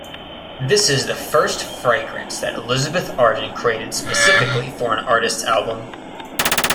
This is the first fragrance that Elizabeth Arden created specifically for an artist's album.